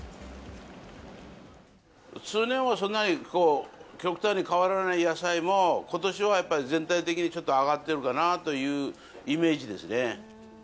通年はそんなに、極端に変わらない野菜も、ことしはやっぱり全体的にちょっと上がってるかなというイメージ